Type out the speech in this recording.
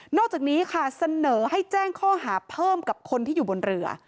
อกจากนี้ค่ะเสนอให้แจ้งข้อหาเพิ่มกับคนที่อยู่บนเรือ